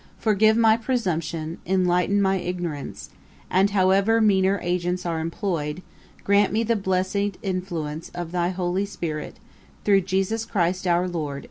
Forgive my presumption, enlighten my ignorance, and however meaner agents are employed, grant me the blessed influences of thy holy Spirit, through Jesus Christ our Lord.